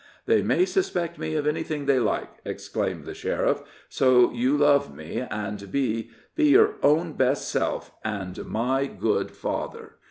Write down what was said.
"They may suspect me of anything they like!" exclaimed the sheriff, "so you love me and be be your own best self and my good father.